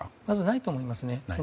まず、ないと思います。